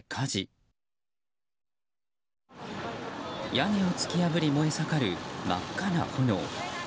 屋根を突き破り燃え盛る真っ赤な炎。